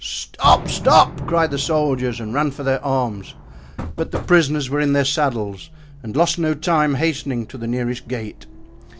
"Stop! stop!" cried the soldiers, and ran for their arms. But the prisoners were in their saddles and lost no time hastening to the nearest gate.